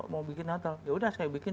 mau bikin hotel ya udah saya bikin